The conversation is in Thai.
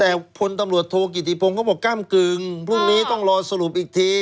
แต่พลตำรวจโทกิติพงศ์ก็บอกก้ำกึ่งพรุ่งนี้ต้องรอสรุปอีกที